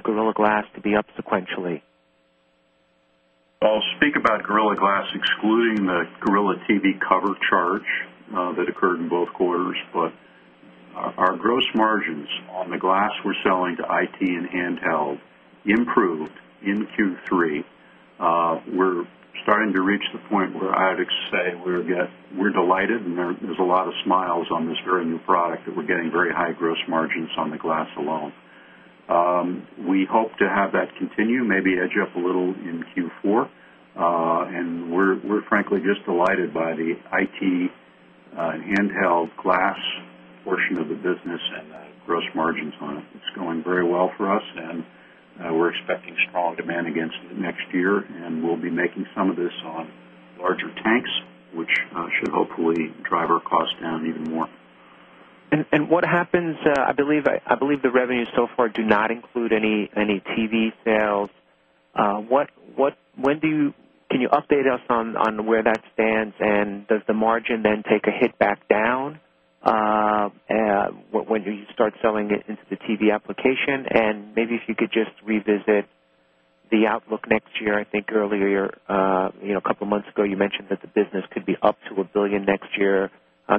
Gorilla Glass to be up sequentially? I'll speak about Gorilla Glass excluding the Gorilla TV cover charge that occurred in both quarters, but our gross margins on the glass we're selling to IT and handheld improved in Q3. We're starting to reach the point where I would say we're delighted and there's a lot of smiles on this very new product that we're getting very high gross margins on the glass alone. We hope to have that continue, maybe edge up a little in Q4. And we're frankly just delighted by the IT and handheld glass portion of the business and the gross margins on it. It's going very well for us. And we're expecting strong demand against it next year and we'll be making some of this on larger tanks, which should hopefully drive our costs down even more. And what happens I believe the revenue so far do not include any TV sales. What when do you can you update us on where that stands? And does the margin then take a hit back down? When you start selling it into the TV application? And maybe if you could just revisit the outlook next year? I think earlier a couple of months ago, you mentioned that the business could be up to $1,000,000,000 next year.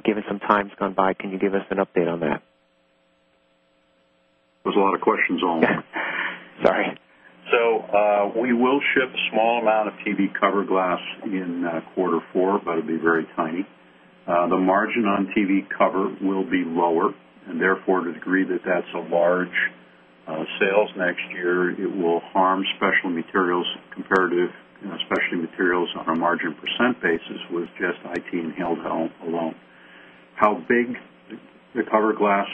Given some times gone by, can you give us an update on that? There's a lot of questions, Al. Sorry. So we will ship a small amount of TV cover glass in quarter 4, but it will be very tiny. The margin on TV cover will be lower and therefore to the degree that that's a large sales next year, it will harm Specialty Materials comparative Specialty Materials on a margin percent basis with just IT and handheld alone. How big the cover glass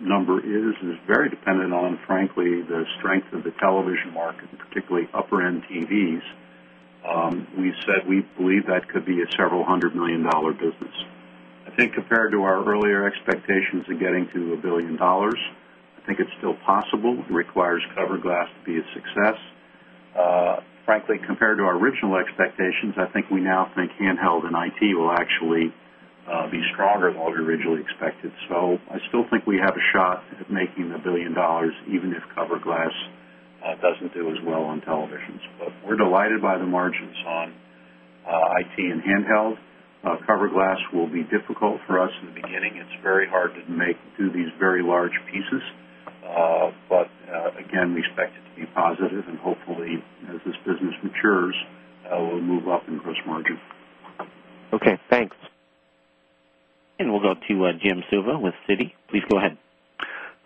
number is, is very dependent on frankly the strength of the television market, particularly upper end TVs. We said we believe that could be a several $100,000,000 business. Think compared to our earlier expectations of getting to $1,000,000,000 I think it's still possible it requires CoverGlass to be a success. Frankly, compared to our original expectations, I think we now think handheld and IT will actually be stronger than what we originally expected. So I still think we have a shot at making the $1,000,000,000 even if cover glass doesn't do as well on televisions. But we're delighted by the margins on IT and handheld. Cover glass will be difficult for us in the beginning. It's very hard to make through these very large pieces. But again, we expect it to be positive. And hopefully, as this business matures, we'll move up in gross margin. Okay. Thanks. And we'll go to Jim Suva with Citi. Please go ahead.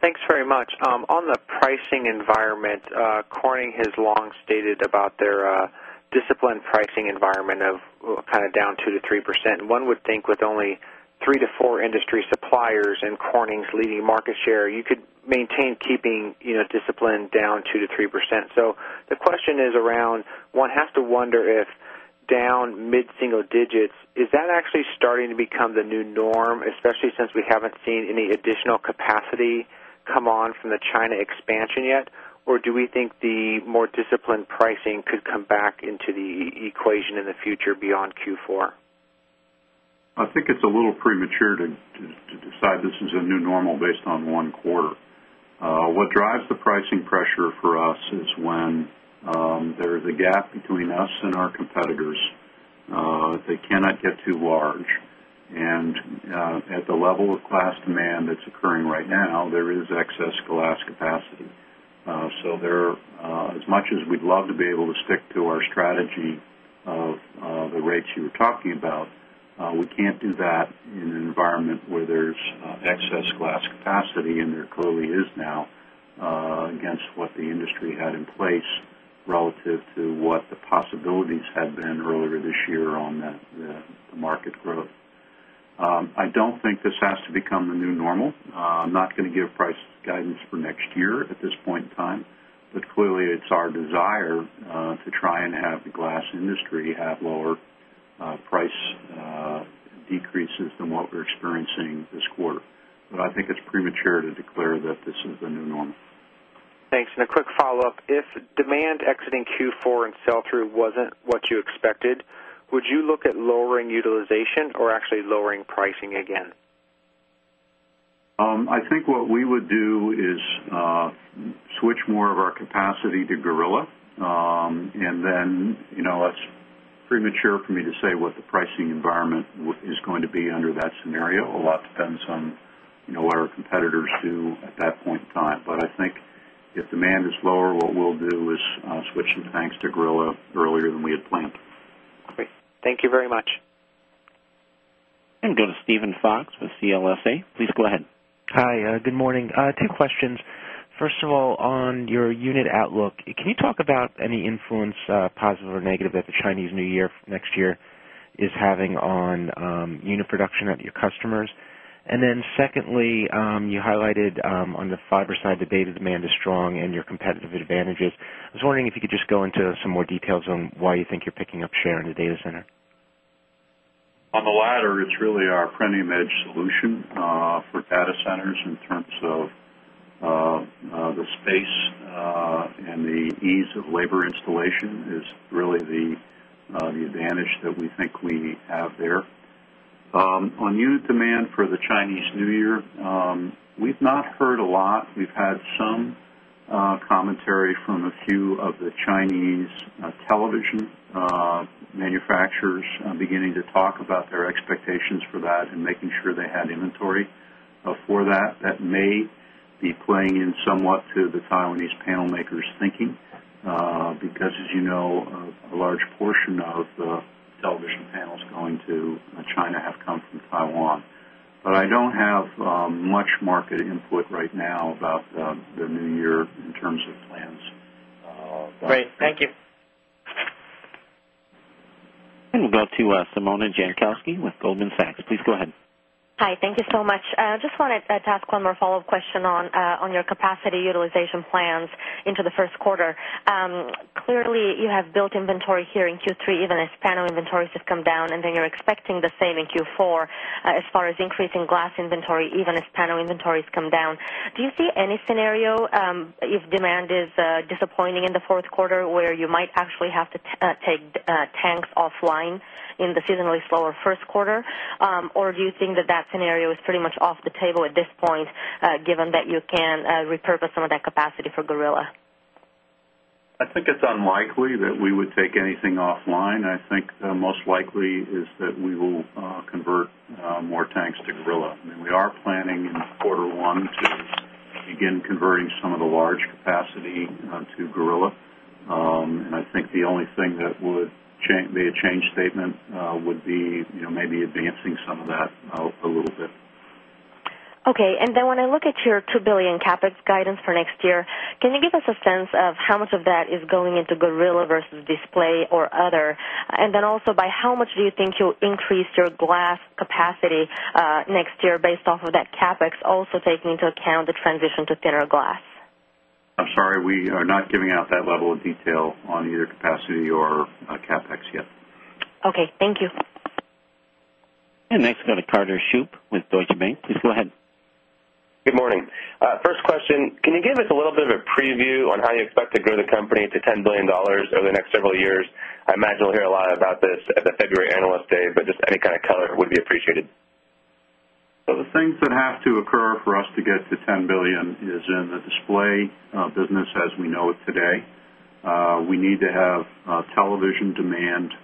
Thanks very much. On the pricing environment, Corning has long stated about their disciplined pricing environment of kind of down 2% to 3%. One would think with only 3 to 4 industry suppliers and Corning's leading market share, you could maintain keeping discipline down 2% to 3%. So the question is around one has to wonder if down mid single digits, is that actually starting to become the new norm, especially since we haven't seen any additional capacity come on from the China expansion yet? Or do we think the more disciplined pricing could come back into the equation in the future beyond Q4? I think it's a little premature to decide this is a new normal based on 1 quarter. What drives the pricing pressure for us is when there is a gap between us and our competitors, they cannot get too large. And at the level of glass demand that's occurring right now, there is excess glass capacity. So there as much as we'd love to be able to stick to our strategy of the rates you were talking about, we can't do that in an environment where there's excess glass capacity and there clearly is now against what the industry had in place relative to what the possibilities had been earlier this year on the market growth. I don't think this has to become the new normal. I'm not going to give price guidance for next year at this point in time. But clearly, it's our desire to try and have the glass industry have lower price decreases than what we're experiencing this quarter. But I think it's premature to declare that this is the new norm. Thanks. And a quick follow-up. If demand exiting Q4 and sell through wasn't what you expected, would you look at lowering utilization or actually lowering pricing again? I think what we would do is switch more of our capacity to Gorilla. And then that's premature for me to say what the pricing environment is going to be under that scenario. A lot depends on what our competitors do at that point in time. But I think if demand is lower, what we'll do is switch some tanks to Grilla earlier than we had planned. Great. Thank you very much. And go to Steven Fox with CLSA. Please go ahead. Hi, good morning. Two questions. First of all, on your unit outlook, can you talk about any influence positive or negative that the Chinese New Year next year is having on unit production at your customers? And then secondly, you highlighted on the fiber side the data demand is strong and your competitive advantages. I was wondering if you could just go into some more details on why you think you're picking up share in the data center? On the latter, it's really our premium edge solution for data centers in terms of the space and the ease of labor installation is really the advantage that we think we have there. On unit demand for the Chinese New Year, we've not heard a lot. We've had some commentary from a few of the Chinese television manufacturers beginning to talk about their expectations for that and making sure they had inventory for that. That may be playing in somewhat to the Taiwanese panel makers' thinking, because as you know, a large portion of television panels going to China have come from Taiwan. But I don't have much market input right now about the New Year in terms of plans. Great. Thank you. And we'll go to Simona Jankowski with Goldman Sachs. Please go ahead. Hi, thank you so much. I just wanted to ask one more follow-up question on your capacity utilization plans into the Q1. Clearly, you have built inventory here in Q3 even as panel inventories have come down and then you're expecting the same in Q4 as far as increasing glass inventory even as panel inventories come down. Do you see any scenario if demand is disappointing in the Q4 where you might actually have take tanks offline in the seasonally slower Q1? Or do you think that, that scenario is pretty much off the table at this point given that you can repurpose some of that capacity for Gorilla? I think it's unlikely that we would take anything offline. I think the most likely is that we will convert more tanks to Gorilla. I mean, we are planning in quarter 1 to begin converting some of the large capacity to Gorilla. And I think the only thing that would be a change statement would be maybe advancing some of that a little bit. Okay. And then when I look at your $2,000,000,000 CapEx guidance for next year, can you give us a sense of how much of that is going into Gorilla versus Display or other? And then also by how much do you think you'll increase your Glass capacity next year based off of that CapEx also taking into account the transition to thinner glass? I'm sorry, we are not giving out that level of detail on either capacity or CapEx yet. Okay. Thank you. And next we go to Carter Shoop with Deutsche Bank. Please go ahead. Good morning. First question, can you give us a little bit of a preview on how you expect to grow the company to $10,000,000,000 over the next several years? I imagine you'll hear a lot about this at the February Analyst Day, but just any kind of color would be appreciated. So the things that have to occur for us to get to $10,000,000,000 is in the display business as we know it today. We need to have television demand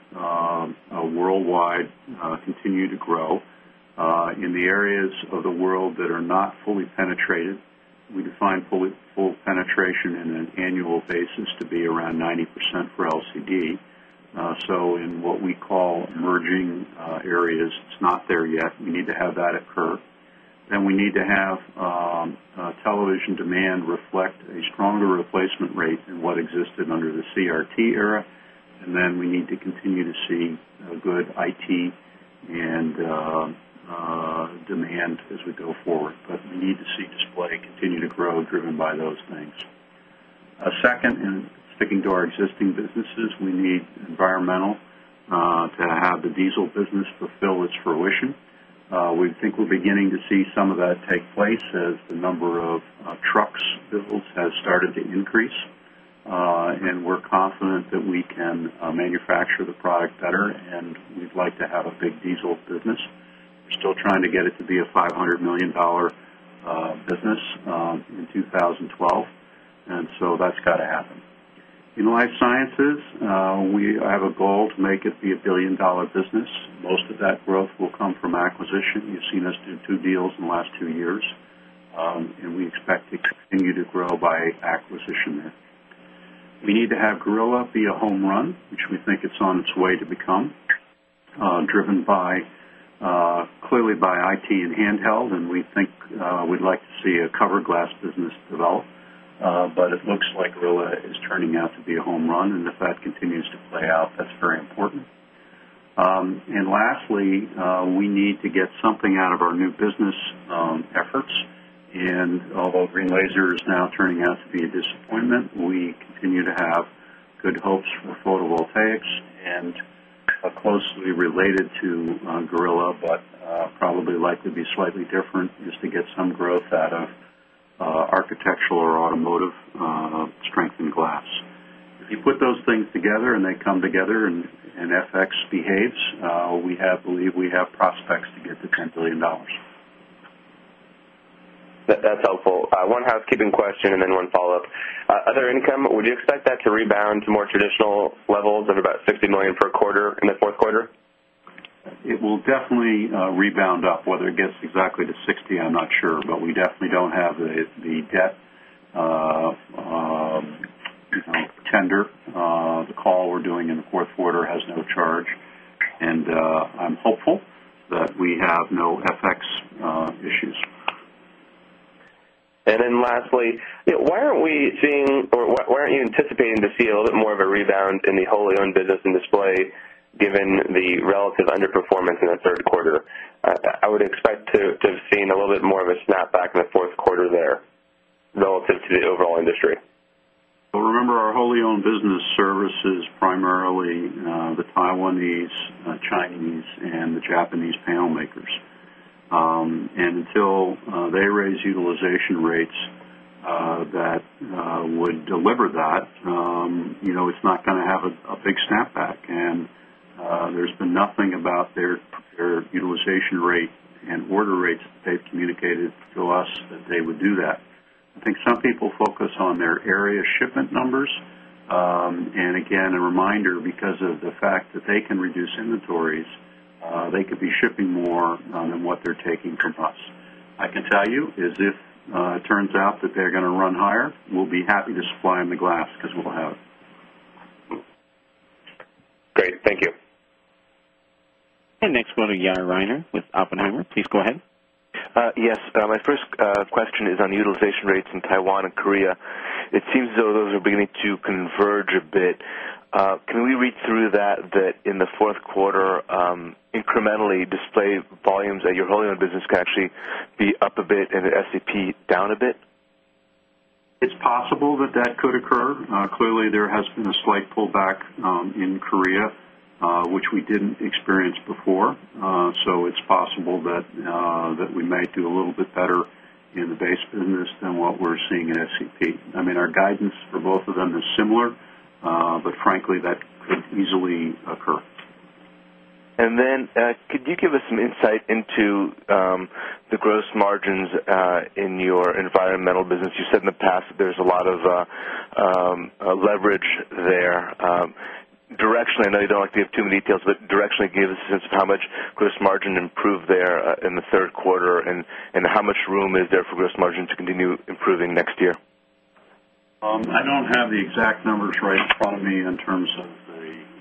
worldwide continue to grow In the areas of the world that are not fully penetrated, we define full penetration in an annual basis to be around 90 percent for LCD. So in what we call emerging areas, it's not there yet. We need to have that occur. Then we need to have television demand reflect a stronger replacement rate than what existed under the CRT era. And then we need to continue to see good IT and demand as we go forward. But we need to see display continue to grow driven by those things. 2nd, and sticking to our existing businesses, we need environmental to have the diesel business fulfill its fruition. We think we're beginning to see some of that take place as the number of trucks builds has started to increase. And we're confident that we can manufacture the product better and we'd like to have a big diesel business. We're still trying to get it to be a $500,000,000 business in 2012 And so that's got to happen. In Life Sciences, we have a goal to make it be a $1,000,000,000 business. Most of that growth will come from acquisition. You've seen us do 2 deals in the last 2 years and we expect to continue to grow by acquisition there. We need to have Gorilla be a home run, which we think it's on its way to become, driven by clearly by IT and handheld and we think we'd like to see a cover glass business develop. But it looks like Gorilla is turning out to be a home run and if that continues to play out that's very important. And lastly, we need to get something out of our new business efforts. And although green laser is now turning out to be a disappointment, we continue to have good hopes for photovoltaics and closely related to Gorilla, but probably likely to be slightly different just to get some growth out of architectural or automotive strength in glass. If you put those things together and they come together and FX behaves, we have believe we have prospects to get to $10,000,000,000 That's helpful. One housekeeping question and then one follow-up. Other income, would you expect that to rebound to more traditional levels of about $60,000,000 per quarter in the 4th quarter? It will definitely rebound up whether it gets exactly to $60,000,000 I'm not sure, but we definitely don't have the debt tender. The call we're doing in the Q4 has no charge. And I'm hopeful that we have no FX issues. And then lastly, why aren't we seeing or why aren't you anticipating to see a little bit more of a rebound in the wholly owned business in display given the relative underperformance in the Q3? I would expect to have seen a little bit more of a snap back in the 4th quarter there relative to the overall industry? Well, remember our wholly owned business services primarily the Taiwanese, Chinese and the Japanese panel makers. And until they raise utilization rates that would deliver that, it's not going to have a big snapback. And there's been nothing about their utilization rate and order rates that they've communicated to us that they would do that. I think some people focus on their area shipment numbers. And again, a reminder, because of the fact that they can reduce inventories, they could be shipping more than what they're taking from us. I can tell you is if it turns out that they're going to run higher, we'll be happy to supply them the glass because we'll have. Great. Thank you. And next we'll go to Yaron Reiner with Oppenheimer. Please go ahead. Yes. My first question is on utilization rates in Taiwan and Korea. It seems those are beginning to converge a bit. Can we read through that that in the 4th quarter incrementally display volumes at your wholly owned business can actually be up a bit and the SAP down a bit? It's possible that that could occur. Clearly, there has been a slight pullback in Korea, which we didn't experience before. So it's possible that we may do a little bit better in the base business than what we're seeing in SEP. I mean, our guidance for both of them is similar, but frankly that could easily occur. And then could you give us some insight into the gross margins in your environmental business? You said in the past there's a lot of leverage there. Directionally, I know you don't like to give too many details, but directionally give us a sense of how much gross margin improved there in the Q3 And how much room is there for gross margin to continue improving next year? I don't have the exact numbers right in front of me in terms of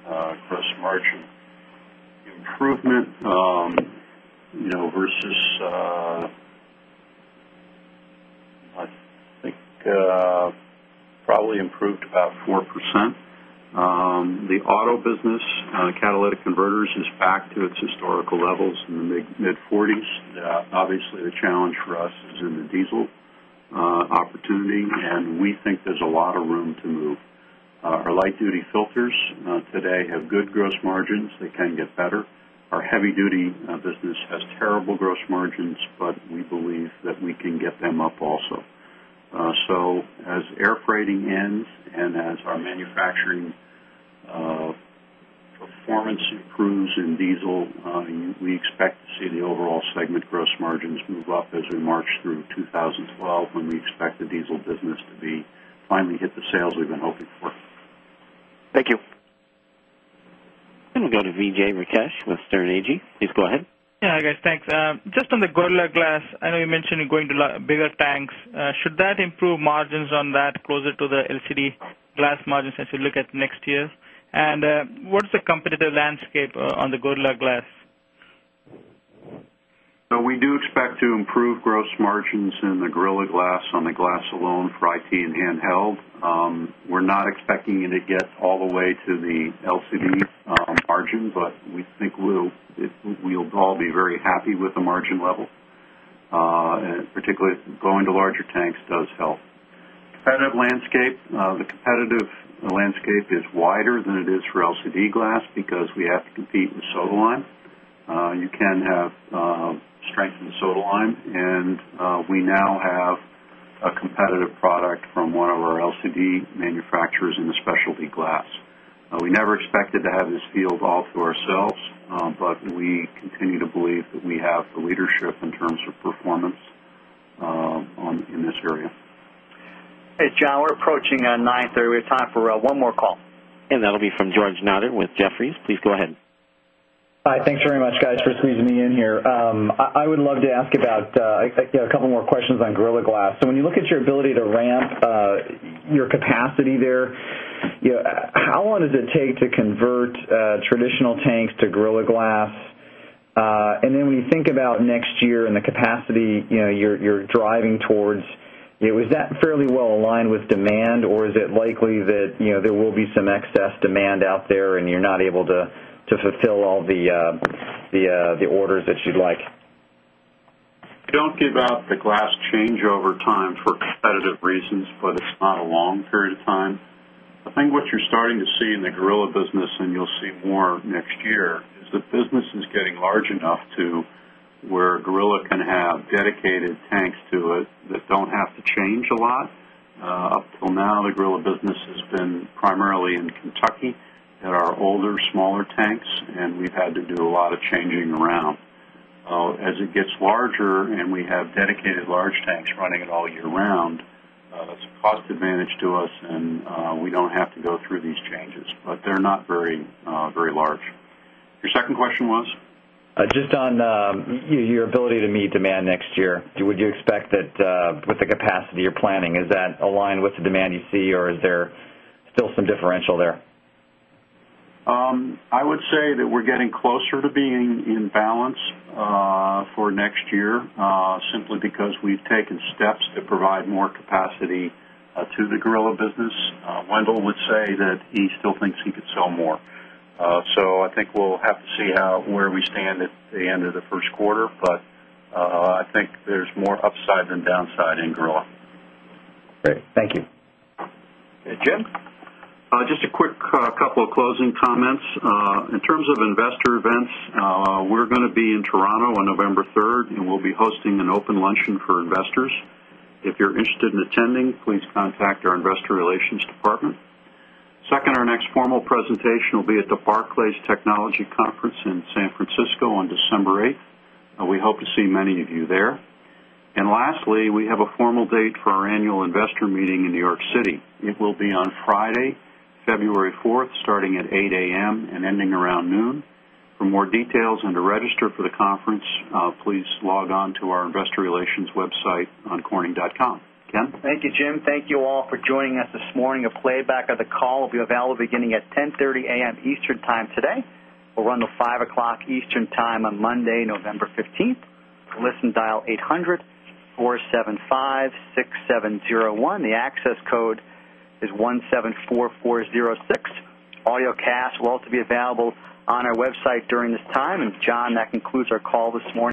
the gross margin improvement versus I think probably improved about 4%. The auto business, catalytic converters is back to its historical levels in the mid-40s. Obviously, the challenge for us is in the diesel opportunity and we think there's a lot of room to move. Our light duty filters today have good gross margins. They can get better. Our heavy duty business has terrible gross margins, but we believe that we can get them up also. So as air freighting ends and as our manufacturing performance improves in diesel, we expect to see the overall segment gross margins move up as we march through 2012 when we expect the diesel business to be finally hit the sales we've been hoping for. Thank you. And we'll go to Vijay Rakesh with Stern AG. Please go ahead. Yes. Hi, guys. Thanks. Just on the Gorilla Glass, I know you mentioned you're going to bigger tanks. Should that improve margins on that closer to the LCD glass margins as you look at next year? And what's the competitive landscape on the Gorilla Glass? We do expect to improve gross margins in the Gorilla Glass on the glass alone for IT and handheld. We're not expecting it to get all the way to the LCD margin, but we think we'll all be very happy with the margin level, particularly going to larger tanks does help. Competitive landscape. The competitive landscape is wider than it is for LCD glass because we have to compete with soda lime. You can have strength in soda lime and we now have a competitive product from one of our LCD manufacturers in the specialty glass. We never expected to have this field all through ourselves, but we continue to believe that we have the leadership in terms of performance in this area. Hey, John, we're approaching on 9:30. We have time for one more call. And that will be from George Notter with Jefferies. Please go ahead. Hi. Thanks very much guys for squeezing me in here. I would love to ask about a couple more questions on Gorilla Glass. So when you look at your ability to ramp your capacity there, how long does it take to convert traditional tanks to Gorilla Glass? And then when you think about next year and the capacity you're driving towards, is that fairly well aligned with demand or is it likely that there will be some excess demand out there and you're not able to fulfill all the orders that you'd like? We don't give out the glass change over time for competitive reasons, but it's not a long period of time. I think what you're starting to see in the Gorilla business and you'll see more next year is the business is getting large enough to where Gorilla can have dedicated tanks to it that don't have to change a lot. Up till now, the Grilla business has been primarily in Kentucky at our older smaller tanks and we've had to do a lot of changing around. As it gets larger and we have dedicated large tanks running it all year round, that's a cost advantage to us and we don't have to go through these changes, but they're not very large. Your second question was? Just on your ability to meet demand next year, would you expect that with the capacity you're planning, is that aligned with the demand you see? Or is there still some differential there? I would say that we're getting closer to being in balance for next year simply because we've taken steps to provide more capacity to the Gorilla business. Wendell would say that he still thinks he could sell more. So I think we'll have to see how where we stand at the end of the Q1, but I think there's more upside than downside in Gorilla. Great. Thank you. Jim? Just a quick couple of closing comments. In terms of investor events, we're going to be in Toronto on November 3, and we'll be hosting an open luncheon for investors. If you're interested in attending, please contact our Investor Relations department. 2nd, our next formal presentation will be at the Barclays Technology Conference in San Francisco on December 8th. We hope to see many of you there. And lastly, we have a formal date for our Annual Investor Meeting in New York City. It will be on Friday, February 4th, starting at 8 am and ending around noon. For more details and to register for the conference, please log on to our Investor Relations website on corning.com. Ken? Thank you, Jim. Thank you all for joining us this morning. A playback of the call will be available beginning at 10:30 am Eastern Time today. We'll run the 5 o'clock Eastern Time on Monday, November 15. For listen, dial 800-475-6701. The access code is 174,406. Audiocast will also be available on our website during this time. And John, that concludes our call this